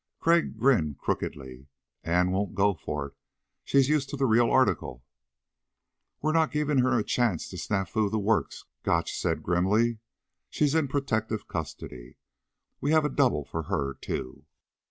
Crag grinned crookedly. "Ann won't go for it. She's used to the real article." "We're not giving her a chance to snafu the works," Gotch said grimly. "She's in protective custody. We have a double for her, too."